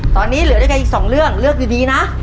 ตอนนี้เหลือด้วยกันอีกสองเรื่องเลือกดีนะ